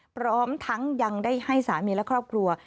พร้อมทั้งยังได้ให้สามีและครอบครัว